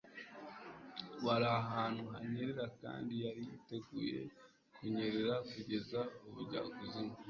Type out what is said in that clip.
Wari ahantu hanyerera kandi yari yiteguye kunyerera kugeza ubujyakuzimu.